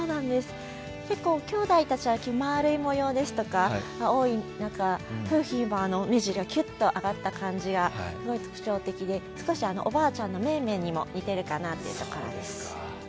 結構兄弟たちは丸い模様が多い中、楓浜は目尻がキュッと上がった感じがすごい特徴的で少しおばあちゃんの梅梅にも似ているかなという感じです。